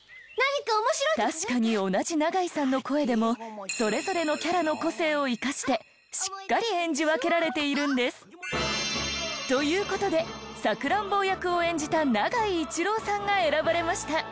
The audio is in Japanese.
確かに同じ永井さんの声でもそれぞれのキャラの個性を生かしてしっかり演じ分けられているんです。という事で錯乱坊役を演じた永井一郎さんが選ばれました。